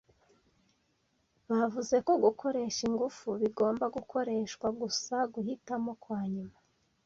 Bavuze ko gukoresha ingufu bigomba gukoreshwa gusa guhitamo kwa nyuma.